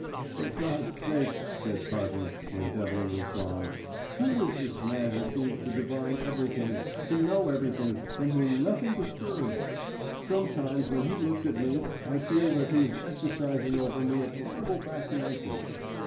"For God's sake," said Carton, when Devlin was gone, "who is this man who seems to divine everything, to know everything, and whom nothing disturbs? Sometimes when he looks at me I feel that he is exercising over me a terrible fascination."